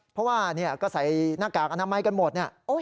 เพราะว่าก็ใส่หน้ากากอนามัยกันหมดเนี่ย